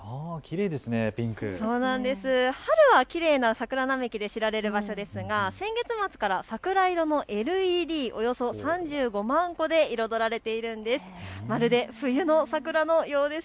春はきれいな桜並木で知られる場所ですが先月末から桜色のＬＥＤおよそ３５万個で彩られているんです。